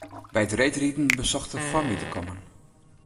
By it reedriden besocht er foar my te kommen.